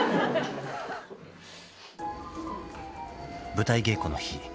［舞台稽古の日］